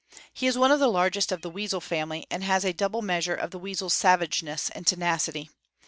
He is one of the largest of the weasel family, and has a double measure of the weasel's savageness and tenacity.